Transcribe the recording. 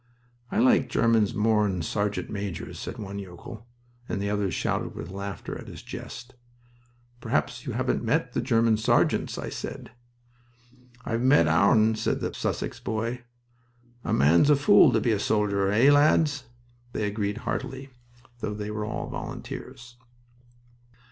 "I like Germans more'n sergeant majors," said one young yokel, and the others shouted with laughter at his jest. "Perhaps you haven't met the German sergeants," I said. "I've met our'n," said the Sussex boy. "A man's a fool to be a soldier. Eh, lads?" They agreed heartily, though they were all volunteers.